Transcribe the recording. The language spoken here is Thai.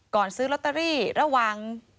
ก่อนซื้อลอตเตอรี่ระวัง